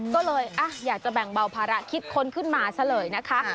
ก็เลยอยากจะแบ่งเบาภาระคิดค้นขึ้นมาซะเลยนะคะ